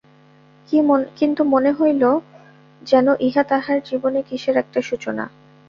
কিন্তু মনে হইল, যেন ইহা তাহার জীবনে কিসের একটা সূচনা।